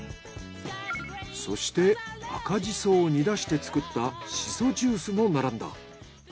そして赤ジソを煮出して作ったシソジュースも並んだ。